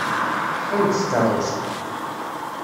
Qqim deg tkeṛṛust.